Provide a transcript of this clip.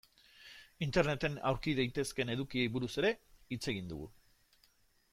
Interneten aurki daitezkeen edukiei buruz ere hitz egin dugu.